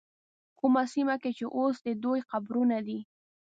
کومه سیمه کې چې اوس د دوی قبرونه دي.